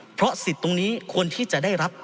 เพราะสิทธิ์ตรงนี้ควรที่จะได้รับ